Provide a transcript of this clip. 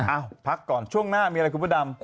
อ้าวพักก่อนช่วงหน้ามีอะไรคุณพุทธอำนาจ